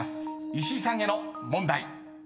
石井さんへの問題］